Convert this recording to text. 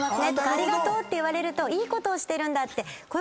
「ありがとう」って言われるといいことをしてるんだって。